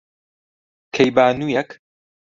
کەیبانوویەک،